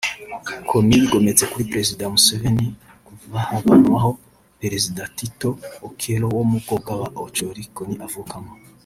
Kony yigometse kuri Perezida Museveni kuva havanwaho Perezida Tito Okello wo mu bwoko bw’aba Acholi Kony avukamo